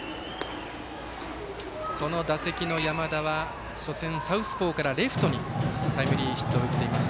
打席の山田は、初戦サウスポーからレフトにタイムリーヒットを打っています。